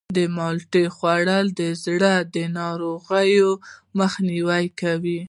د مالټې خوړل د زړه د ناروغیو مخنیوی کوي.